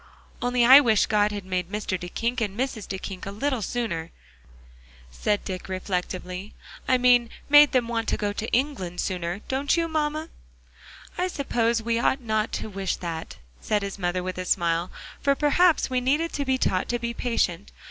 "Only I wish God had made Mr. Duyckink and Mrs. Duyckink a little sooner," said Dick reflectively. "I mean, made them want to go to England sooner, don't you, mamma?" "I suppose we ought not to wish that," said his mother with a smile, "for perhaps we needed to be taught to be patient.